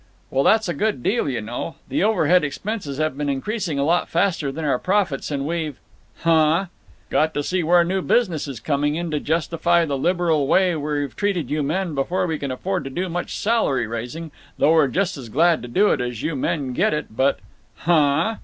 "Well, that's a good deal, you know. The overhead expenses have been increasing a lot faster than our profits, and we've—" "Huh!" "—got to see where new business is coming in to justify the liberal way we've treated you men before we can afford to do much salary raising—though we're just as glad to do it as you men to get it; but—" "Huh!"